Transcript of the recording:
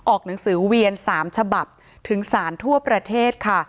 ออกหนังสือเวียน๓ฉบับถึงสารทั่วประเทศค่ะ